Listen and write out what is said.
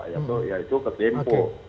yaitu ke tempo